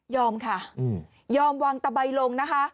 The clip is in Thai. ค่ะยอมวางตะใบลงนะคะ